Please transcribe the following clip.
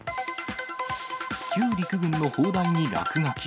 旧陸軍の砲台に落書き。